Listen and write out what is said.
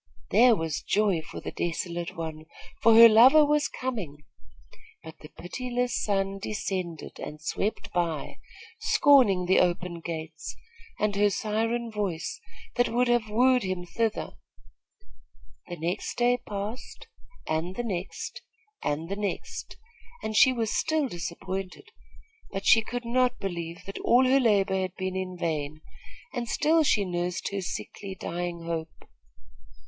There was joy for the desolate one, for her lover was coming; but the pitiless sun descended and swept by, scorning the open gates, and her siren voice, that would have wooed him thither. The next day passed, and the next, and the next, and she was still disappointed; but she could not believe that all her labor had been in vain, and still she nursed her sickly, dying hope.